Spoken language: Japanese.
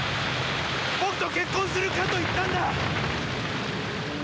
僕と結婚するかと言ったんだ！